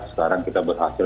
sekarang kita berhasil